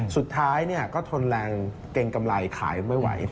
สุดท้ายก็ทนแรงเกรงกำไรขายไม่ไหว